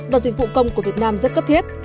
và dịch vụ công của việt nam rất cấp thiết